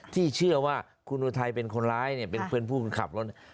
ที่เชื่อว่าคุณอุทัยเป็นคนร้ายเนี่ยเป็นเพื่อนผู้เป็นขับรถ